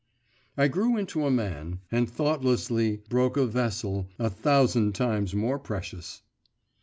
I grew into a man and thoughtlessly broke a vessel a thousand times more precious.